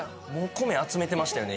米集めてましたよね